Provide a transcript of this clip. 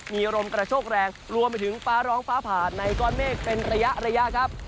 มีลมกระโชกแรงรวมไปถึงฟ้าร้องฟ้าผ่าในก้อนเมฆเป็นระยะครับ